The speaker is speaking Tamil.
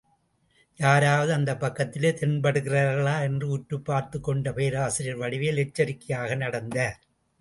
யாராவது அந்தப் பக்கத்திலே தென்படுகிறார்களா என்று உற்றுப் பார்த்துக் கொண்டே பேராசிரியர் வடிவேல் எச்சரிக்கையாக நடந்தார்.